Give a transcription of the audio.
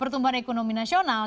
pertumbuhan ekonomi nasional